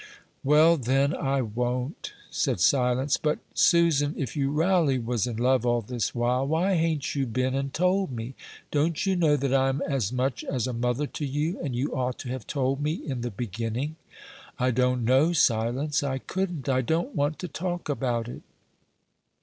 "Well, then, I won't," said Silence; "but, Susan, if you railly was in love all this while, why hain't you been and told me? Don't you know that I'm as much as a mother to you, and you ought to have told me in the beginning?" "I don't know, Silence! I couldn't I don't want to talk about it."